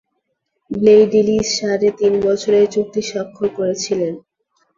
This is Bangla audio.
ব্লেইডিলিস সাড়ে তিন বছরের চুক্তি স্বাক্ষর করেছিলেন।